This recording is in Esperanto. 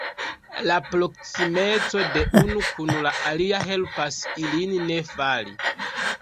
La proksimeco de unu kun la alia helpas ilin ne fali.